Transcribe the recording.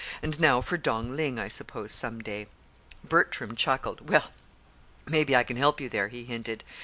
And now for Dong Ling, I suppose, some day." Bertram chuckled. "Well, maybe I can help you there," he hinted.